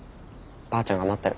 ばあちゃんが待ってる。